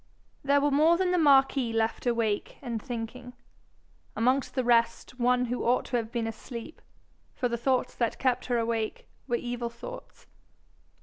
There were more than the marquis left awake and thinking; amongst the rest one who ought to have been asleep, for the thoughts that kept her awake were evil thoughts.